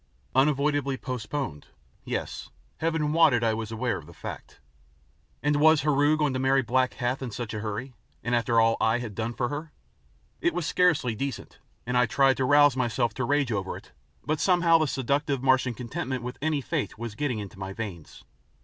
"Unavoidably postponed?" Yes, Heaven wotted I was aware of the fact. And was Heru going to marry black Hath in such a hurry? And after all I had done for her? It was scarcely decent, and I tried to rouse myself to rage over it, but somehow the seductive Martian contentment with any fate was getting into my veins.